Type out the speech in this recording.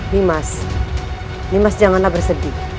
nyemas nyemas janganlah bersedih